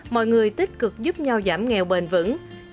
mọi người tích cực giúp nhau giảm nghèo bền vững